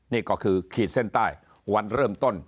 นี่ก็คือขีดเส้นใต้วันเริ่มต้น